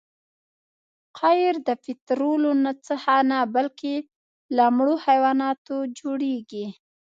قیر د پطرولو څخه نه بلکې له مړو حیواناتو جوړیږي